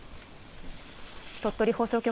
鳥取放送局